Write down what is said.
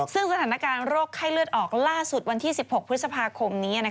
ซึ่งสถานการณ์โรคไข้เลือดออกล่าสุดวันที่๑๖พฤษภาคมนี้